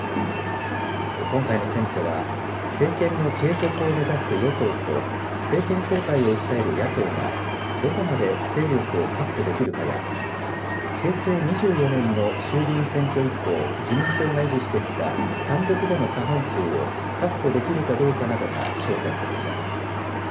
今回の選挙は、政権の継続を目指す与党と、政権交代を訴える野党が、どこまで勢力を確保できるかや、平成２４年の衆議院選挙以降、自民党が維持してきた単独での過半数を確保できるかどうかなどが焦点となります。